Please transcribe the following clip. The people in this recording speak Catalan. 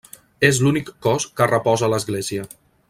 És l'únic cos que reposa a l'església.